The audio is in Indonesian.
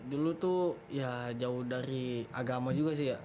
dulu tuh ya jauh dari agama juga sih ya